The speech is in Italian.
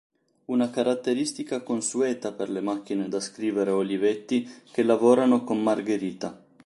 Una caratteristica consueta per le macchine da scrivere Olivetti che lavorano con "Margherita".